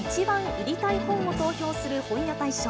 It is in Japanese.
売りたい本を投票する本屋大賞。